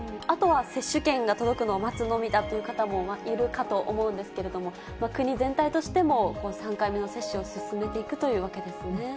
あとは、接種券が届くのを待つのみだという方もいるかと思うんですけれども、国全体としても、３回目の接種を進めていくというわけですね。